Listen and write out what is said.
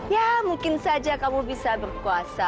ya mungkin saja kamu bisa berpuasa